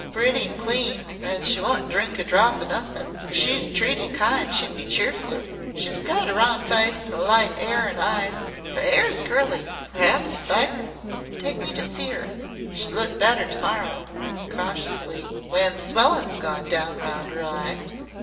"She's pretty an' clean, an' she won't drink a drop o' nothin'. If she was treated kind she'd be cheerfler. She's got a round fice an' light 'air an' eyes. 'Er 'air's curly. P'raps yer'd like 'er." "Take me to see her." "She'd look better to morrow," cautiously, "when the swellin's gone down round 'er eye."